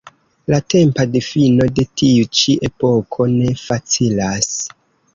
La tempa difino de tiu-ĉi epoko ne facilas.